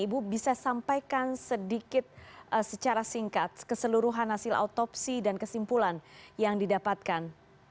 ibu bisa sampaikan sedikit secara singkat keseluruhan hasil autopsi dan kesimpulan yang didapatkan